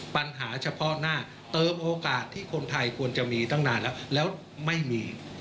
ปัญหาเฉพาะหน้าเติมโอกาสที่คนไทยควรจะมีตั้งนานแล้วแล้วไม่มี